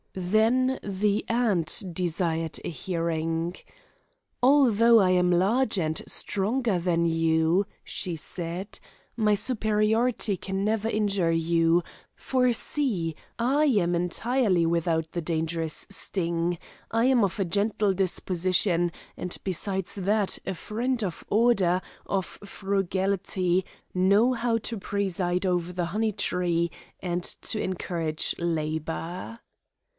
Then the ant desired a hearing: 'Although I am larger and stronger than you,' she said, 'my superiority can never injure you, for see I am entirely without the dangerous sting, I am of a gentle disposition, and besides that, a friend of order, of frugality, know how to preside over the honey tree and to encourage labour.